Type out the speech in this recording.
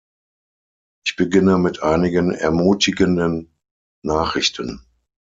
Ich beginne mit einigen ermutigenden Nachrichten.